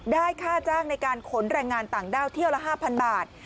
ค่าจ้างในการขนแรงงานต่างด้าวเที่ยวละ๕๐๐บาท